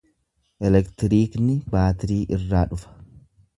Elektiriikni baatirii irraa dhufa.